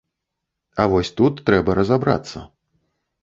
А вось тут трэба разабрацца.